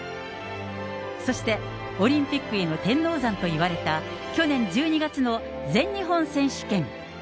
そして、オリンピックへの天王山といわれた去年１２月の全日本選手権。